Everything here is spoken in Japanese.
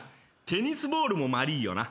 テニスボールもまりーよな。